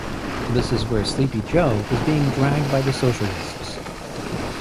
This is where Sleepy Joe is being dragged by the socialists.